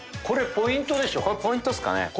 これポイントっすかね？